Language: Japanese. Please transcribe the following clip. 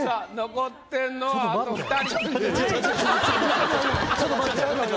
残ってるのあと２人。